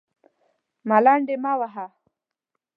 _ملنډې مه وهه!